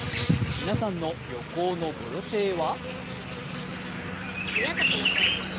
皆さんの旅行のご予定は？